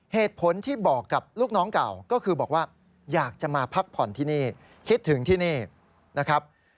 เหตุผลที่บอกกับลูกน้องเก่าก็คือบอกว่าอยากจะมาพักผ่อนที่นี่คิดถึงที่นี่นะครับ